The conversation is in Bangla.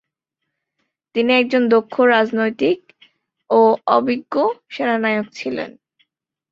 তিনি একজন দক্ষ রাজনীতিক ও অভিজ্ঞ সেনানায়ক ছিলেন।